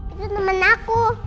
itu temen aku